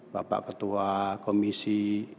bapak petua komisi